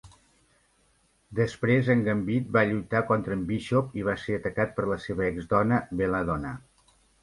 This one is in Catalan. Després en Gambit va lluitar contra en Bishop i va ser atacat per la seva exdona Bella Donna.